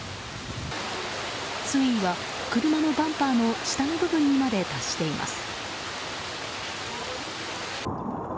水位は車のバンパーの下の部分にまで達しています。